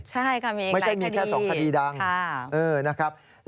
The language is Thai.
ใช่ค่ะมีอีกหลายคดีค่ะเออนะครับไม่ใช่มีแค่๒คดีดัง